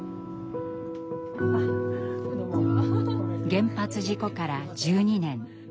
原発事故から１２年。